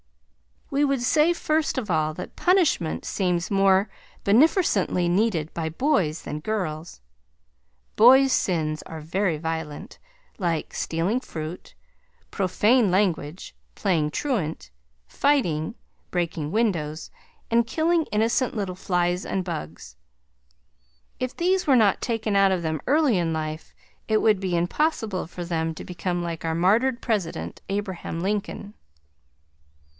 We would say first of all that punishment seems more benefercently needed by boys than girls. Boys' sins are very violent, like stealing fruit, profane language, playing truant, fighting, breaking windows, and killing innocent little flies and bugs. If these were not taken out of them early in life it would be impossible for them to become like our martyred president, Abraham Lincoln.